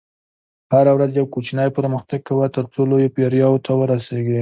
هره ورځ یو کوچنی پرمختګ کوه، ترڅو لویو بریاوو ته ورسېږې.